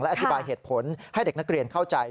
อธิบายเหตุผลให้เด็กนักเรียนเข้าใจ